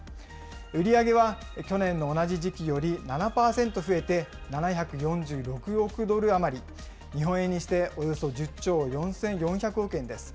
売り上げは去年の同じ時期より７％増えて、７４６億ドル余り、日本円にしておよそ１０兆４４００億円です。